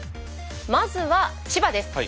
まずは千葉です。